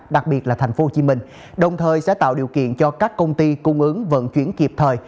đặc biệt là tp hcm đồng thời sẽ tạo điều kiện cho các công ty cung ứng vận chuyển kịp thời